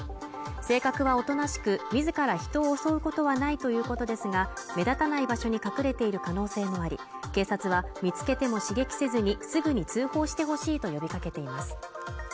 性格はおとなしく自ら人を襲うことはないということですが目立たない場所に隠れている可能性もあり警察は見つけても刺激せずにすぐに通報してほしいと呼びかけています